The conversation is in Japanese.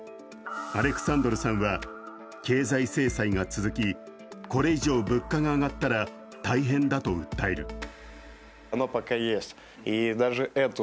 アレクサンドルさんは経済制裁が続き、これ以上物価が上がったら大変だと訴える。